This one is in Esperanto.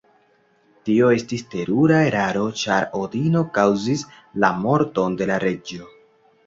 Tio estis terura eraro ĉar Odino kaŭzis la morton de la reĝo.